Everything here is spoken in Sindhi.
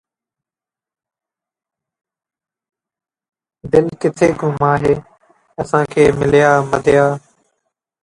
دل ڪٿي گم آهي، اسان کي مليا مدعا